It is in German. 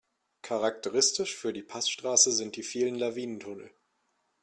Charakteristisch für die Passstraße sind die vielen Lawinentunnel.